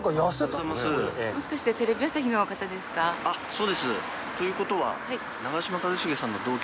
そうです。という事は。